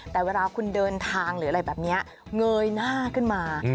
แต่เวลาคุณเดินทางหรืออะไรแบบนี้เงยหน้าขึ้นมา